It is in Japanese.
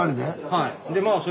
はい。